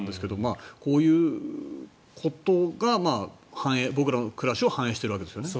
こういうことが僕らの暮らしを反映しているわけですよね。